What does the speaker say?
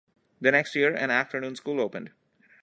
The next year, an afternoon school opened.